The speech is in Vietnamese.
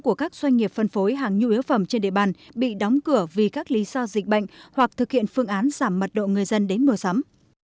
các doanh nghiệp phân phối hàng nhu yếu phẩm trên địa bàn bị đóng cửa vì các lý do dịch bệnh hoặc thực hiện phương án giảm mật độ người dân đến mua sắm